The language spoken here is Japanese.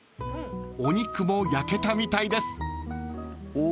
［お肉も焼けたみたいです］